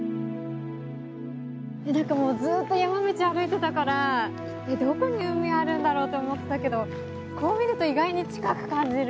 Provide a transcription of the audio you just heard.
何かもうずっと山道歩いてたからどこに海あるんだろうと思ってたけどこう見ると意外に近く感じる。